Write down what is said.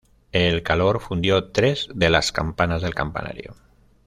El calor fundió tres de las campanas del campanario.